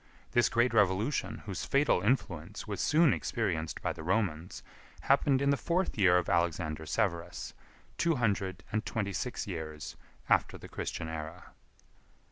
This great revolution, whose fatal influence was soon experienced by the Romans, happened in the fourth year of Alexander Severus, two hundred and twenty six years after the Christian era.